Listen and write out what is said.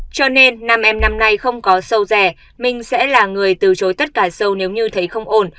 cho nên nam em năm nay không có sâu rè minh sẽ là người từ chối tất cả sâu nếu như thấy không ổn